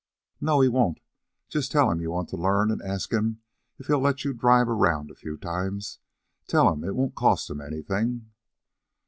"No, he won't. Just tell him you want to learn, and ask him if he'll let you drive around a few times. Tell him it won't cost him anything."